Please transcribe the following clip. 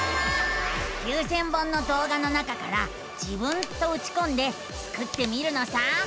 ９，０００本のどう画の中から「自分」とうちこんでスクってみるのさ。